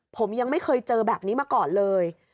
ผมยังไม่เคยเจอแบบนี้มาก่อนเลย